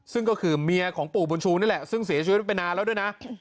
ซึ่งก็คือเมียของปู่บุญชูนี่แหละซึ่งเสียชีวิตไปนานแล้วด้วยนะ